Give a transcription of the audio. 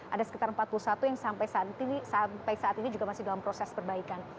ada sekitar empat puluh satu yang sampai saat ini juga masih dalam proses perbaikan